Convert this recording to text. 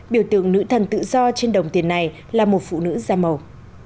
biểu tượng nữ thần tự do trên đồng tiền này là một phụ nữ da màu